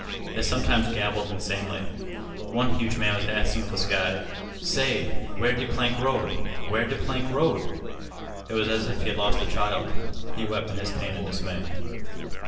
They sometimes gabbled insanely. One huge man was asking of the sky: "Say, where de plank road? Where de plank road!" It was as if he had lost a child. He wept in his pain and dismay.